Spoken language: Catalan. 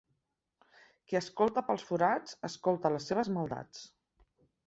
Qui escolta pels forats, escolta les seves maldats.